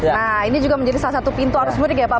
nah ini juga menjadi salah satu pintu arus mudik ya pak